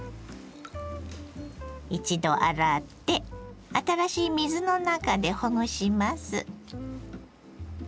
一度洗って新しい水の中でほぐします。